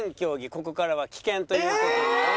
ここからは棄権という事で。